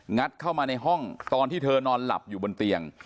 เข้ามาในห้องตอนที่เธอนอนหลับอยู่บนเตียง